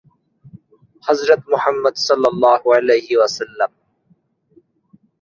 গাছের পাতা, মূল এবং ছাল থেকে অনেক ওষুধ তৈরি হয়।